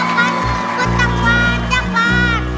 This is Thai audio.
ของและครุกแล้ว